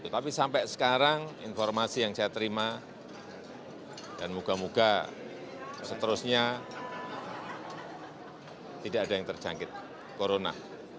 tapi sampai sekarang informasi yang saya terima dan moga moga seterusnya tidak ada yang terjangkit corona